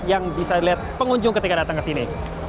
yang bisa dilihat pengunjung ketika datang ke sini